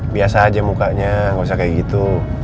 biasa aja mukanya nggak usah kayak gitu